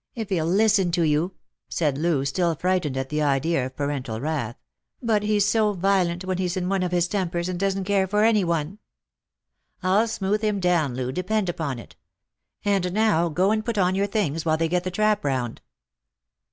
" If he'll listen to you," said Loo, still frightened at the idea of parental wrath ;" but he's so violent when he's in one of his tempers, and doesn't care for any one." " I'll smooth him down, Loo, depend upon it. And now go and put on your things, while they get the trap round."